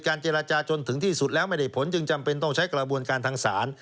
เจรจาจนถึงที่สุดแล้วไม่ได้ผลจึงจำเป็นต้องใช้กระบวนการทางศาล